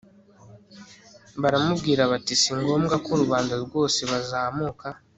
baramubwira bati si ngombwa ko rubanda rwose bazamuka